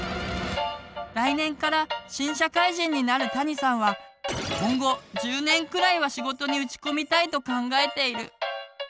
来年から新社会人になるたにさんは今後１０年くらいは仕事に打ち込みたいと考えている。